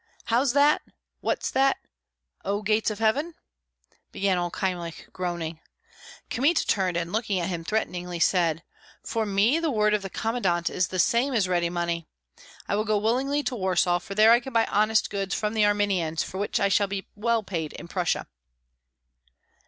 "How's that, what's that, oh, gates of heaven?" began old Kyemlich, groaning. Kmita turned, and looking at him threateningly, said, "For me the word of the commandant is the same as ready money. I will go willingly to Warsaw, for there I can buy honest goods from the Armenians, for which I shall be well paid in Prussia."